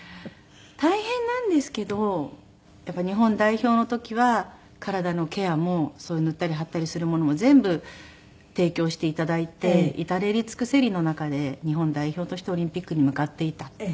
大変なんですけどやっぱり日本代表の時は体のケアも塗ったり貼ったりするものも全部提供して頂いて至れり尽くせりの中で日本代表としてオリンピックに向かっていた。